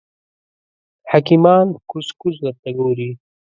حکیمان کوز کوز ورته ګوري.